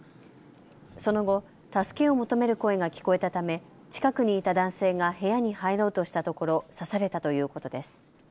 その後、助けを求める声が聞こえたため近くにいた男性が部屋に入ろうとしたところ刺されたということです。